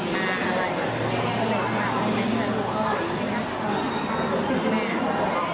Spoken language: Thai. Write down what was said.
คุณแม่จะจัดให้ลูกไหมคุยกันนะครับ